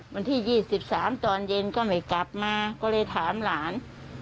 วันที่๒๓ตอนเย็นก็ไม่กลับมาก็เลยถามหลาน